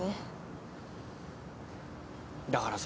だからさ。